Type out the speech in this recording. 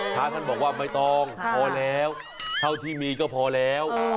พระท่านบอกว่าไม่ต้องพอแล้วเท่าที่มีก็พอแล้ว